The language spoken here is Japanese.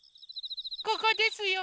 ここですよ。